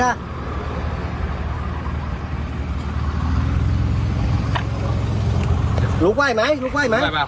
เมามองทำไงล่ะ